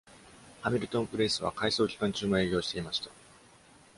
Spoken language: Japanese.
ハミルトンプレイスは、改装期間中も営業していました。